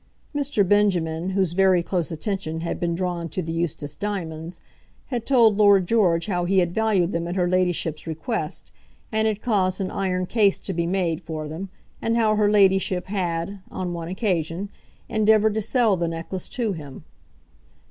Mr. Benjamin, whose very close attention had been drawn to the Eustace diamonds, had told Lord George how he had valued them at her ladyship's request, and had caused an iron case to be made for them, and how her ladyship had, on one occasion, endeavoured to sell the necklace to him.